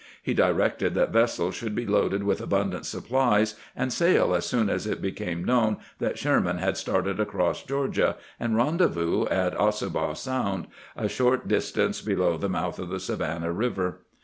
He directed that vessels should be loaded with abundant supplies, and sail as soon as it became known that Sherman had started across Georgia, and rendezvous at Ossabaw Sound, a short distance below the mouth of the Savannah Eiver.